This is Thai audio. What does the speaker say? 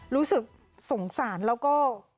รู้สึกสงสารแล้วก็